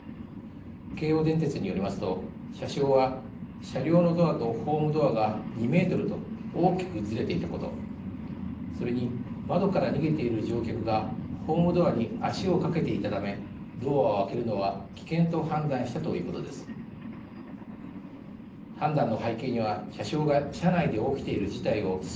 京王電鉄によりますと車掌は車両のドアとホームドアが２メートルと大きくずれていたことそれに、窓から逃げている乗客がホームドアに足を掛けていたためドアを開けるのは危険と判断したということです。